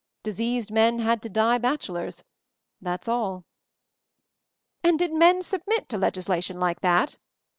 Diseased men had to die bachelors — that's all." "And did men submit to legislation like that?"